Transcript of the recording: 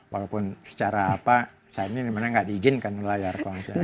walaupun secara apa saat ini memang tidak diizinkan melayar